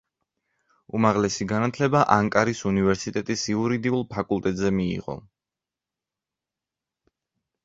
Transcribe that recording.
უმაღლესი განათლება ანკარის უნივერსიტეტის იურიდიულ ფაკულტეტზე მიიღო.